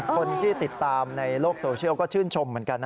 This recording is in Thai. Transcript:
คนที่ติดตามในโลกโซเชียลก็ชื่นชมเหมือนกันนะ